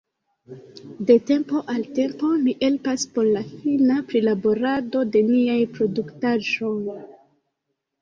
De tempo al tempo mi helpas por la fina prilaborado de niaj produktaĵoj.